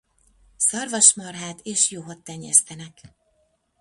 Szarvasmarhát és juhot tenyésztenek.